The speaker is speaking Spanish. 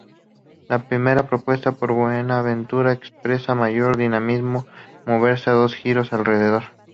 La primera, propuesta por Buenaventura expresa mayor dinamismo: moverse o dar giros alrededor.